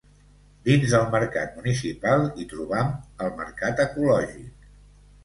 Dins del mercat municipal hi trobam el Mercat Ecològic.